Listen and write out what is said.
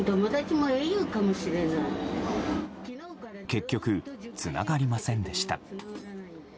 結局つながりませんでした。